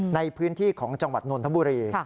ในพื้นที่ของจังหวัดนนทบุรี